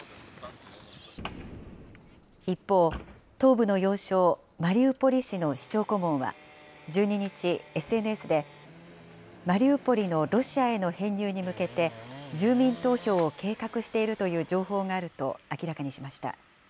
一方、東部の要衝マリウポリ市の市長顧問は１２日、ＳＮＳで、マリウポリのロシアへの編入に向けて、住民投票を計画しているという情報があると明らかにしました。